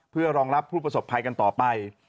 เพื่อรองรับผู้ประสบภัยกันต่อไป